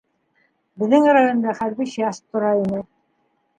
...Беҙҙең районда хәрби часть тора ине.